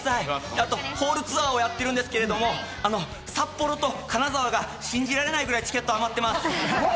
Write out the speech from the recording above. あとホールツアーをやってるんですけど、札幌と金沢が信じられないくらいチケットが余ってます！